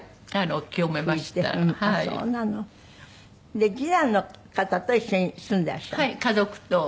次男の方と一緒に住んでらっしゃるの？